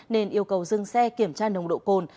nên yêu cầu dừng xe kiểm tra nồng độ cồn